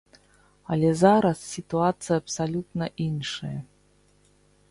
Але зараз сітуацыя абсалютна іншая.